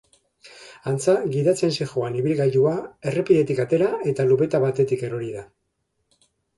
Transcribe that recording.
Antza, gidatzen zihoan ibilgailua errepidetik atera eta lubeta batetik erori da.